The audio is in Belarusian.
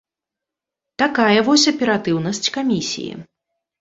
Такая вось аператыўнасць камісіі!